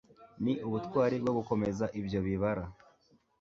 ni ubutwari bwo gukomeza ibyo bibara